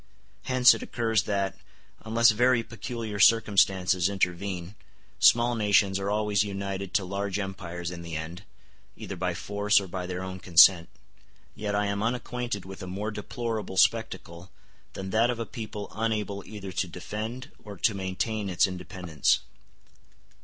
Hence it occurs that, unless very peculiar circumstances intervene, small nations are always united to large empires in the end, either by force or by their own consent: yet I am unacquainted with a more deplorable spectacle than that of a people unable either to defend or to maintain its independence.